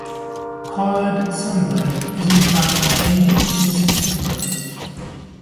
Collared sunbird is in fact mainly insectivorous.